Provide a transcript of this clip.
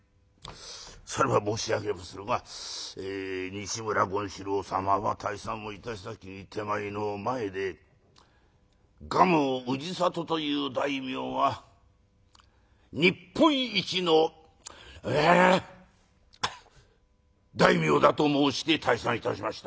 「されば申し上げまするがえ西村権四郎さんは退散をいたした時に手前の前で『蒲生氏郷という大名は日本一の大名だ』と申して退散いたしました」。